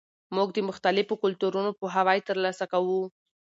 موږ د مختلفو کلتورونو پوهاوی ترلاسه کوو.